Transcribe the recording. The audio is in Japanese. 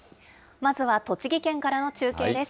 まずは栃木県からの中継です。